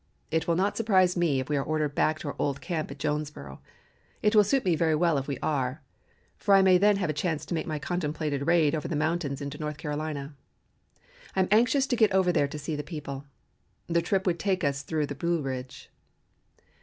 It will not surprise me if we are ordered back to our old camp at Jonesboro. It will suit me very well if we are, for I may then have a chance to make my contemplated raid over the mountains into North Carolina. I am anxious to get over there to see the people. The trip would take us through the Blue Ridge."